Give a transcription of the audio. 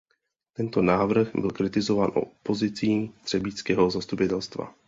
Tento návrh byl kritizován opozicí třebíčského zastupitelstva.